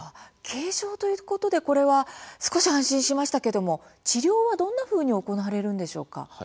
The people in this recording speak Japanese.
軽症ということでこれは少し安心しましたけども治療はどんなふうに行われるんでしょうか？